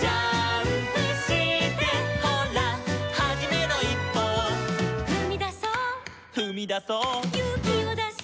「ほらはじめのいっぽを」「ふみだそう」「ふみだそう」「ゆうきをだして」